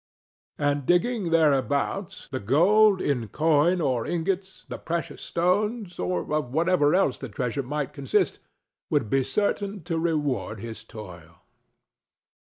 And, digging thereabouts, the gold in coin or ingots, the precious stones, or of whatever else the treasure might consist, would be certain to reward his toil.